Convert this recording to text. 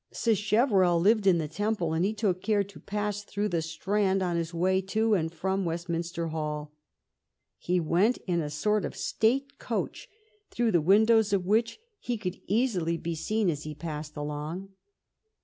Sacheverell lived in the Temple, and he took care to pass through the Strand on his way to and from West minster Hall. He went in a sort of state coach, through the windows of which he could easily be seen as he passed along.